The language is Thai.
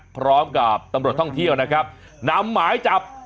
พร้อมกับตำรวจท่องเที่ยวนะครับนำหมายจับ